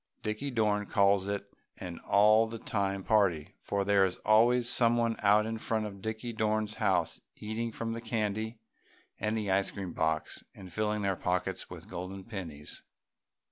Dickie Dorn calls it an "All The Time Party," for there is always someone out in front of Dickie Dorn's house eating from the candy and the ice cream box and filling their pockets with golden pennies.